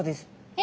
え